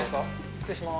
失礼します。